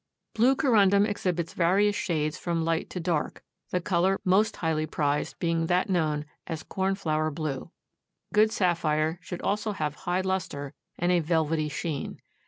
Blue Corundum exhibits various shades from light to dark, the color most highly prized being that known as cornflower blue. A good sapphire should also have high luster and a velvety sheen.